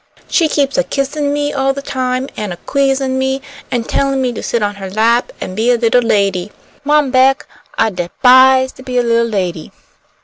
She keeps a kissin' me all the time, an' a 'queezin' me, an' tellin' me to sit on her lap an' be a little lady. Mom Beck, I de'pise to be a little lady."